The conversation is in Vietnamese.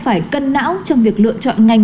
phải cân não trong việc lựa chọn ngành